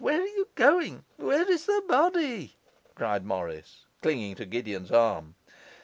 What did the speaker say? Where are you going? Where is the body?' cried Morris, clinging to Gideon's arm.